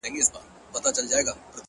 هره لحظه د انتخاب فرصت دی